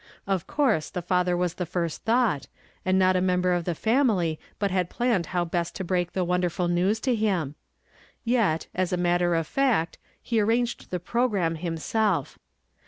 Of ouivse the father was the fir.st thonght, and not a mend, eiof the family bnt liad planned how best to break the wonderful news to hini ; yet, as a n.atter ot laet, he arranged the progrannne himself.